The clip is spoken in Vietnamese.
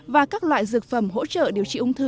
và các loại dược phẩm hỗ trợ điều trị ung thư